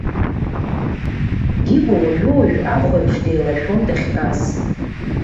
Дигәа уажәы-уажәы ахә еиԥш деилашәон дахьтәаз.